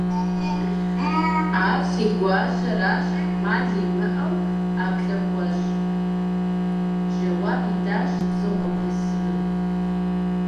- Ар си гуащэращ, Ӏэмал имыӀэу ӀэплӀэ хуэщӀ, - жэуап итащ дзыгъуэ бысымым.